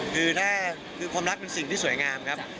คือถ้าคือความรักเป็นสิ่งที่สวยงามครับ